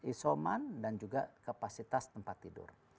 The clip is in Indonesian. isoman dan juga kapasitas tempat tidur